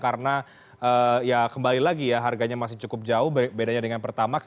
karena ya kembali lagi ya harganya masih cukup jauh bedanya dengan pertamax